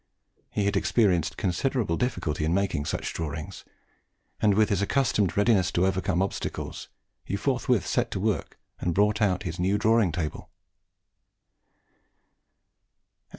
He had experienced considerable difficulty in making such drawings, and with his accustomed readiness to overcome obstacles, he forthwith set to work and brought out his new drawing table.